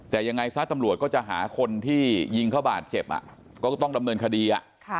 แต่ยังไงซะตำรวจก็จะหาคนที่ยิงเขาบาดเจ็บก็ต้องดำเนินคดี